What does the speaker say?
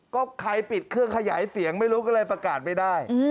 ก็ใครปิดเครื่องขยายเสียงไม่รู้ก็เลยประกาศไม่ได้